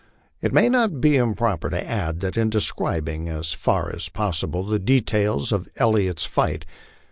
It may not be improper to add that in describing, as far as possible, the details of Elliott's fight.